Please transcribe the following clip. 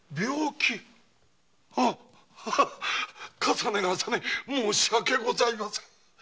重ね重ね申し訳ございません。